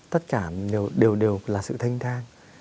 tất cả đều đều là sự thanh thang